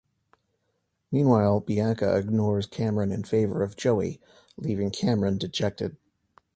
Meanwhile, Bianca ignores Cameron in favor of Joey, leaving Cameron dejected.